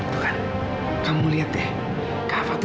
bukan kak fadil